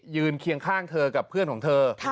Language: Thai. เคียงข้างเธอกับเพื่อนของเธอ